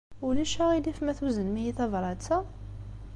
Ulac aɣilif ma tuznem-iyi tabṛat-a?